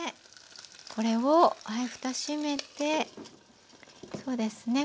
これをふた閉めてそうですね